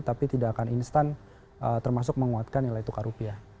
tapi tidak akan instan termasuk menguatkan nilai tukar rupiah